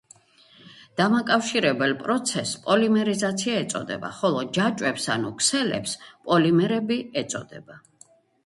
დამაკავშირებელ პროცესს პოლიმერიზაცია ეწოდება, ხოლო ჯაჭვებს ანუ ქსელებს პოლიმერები ეწოდება.